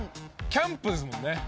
「キャンプ」ですもんね。